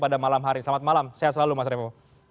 pada malam hari selamat malam sehat selalu mas revo